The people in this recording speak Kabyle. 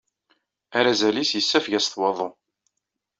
Arazal-is yessafeg-as-t waḍu.